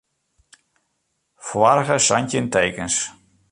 Foarige santjin tekens.